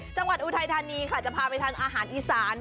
จังหวัดอูทัยธานีค่ะจะพาไปทานอาหารอีสาน